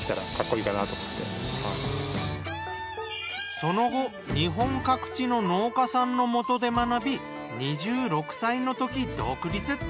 その後日本各地の農家さんの元で学び２６歳のとき独立。